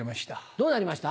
どうなりました？